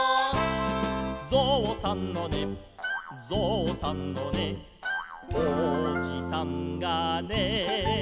「ぞうさんのねぞうさんのねおじさんがね」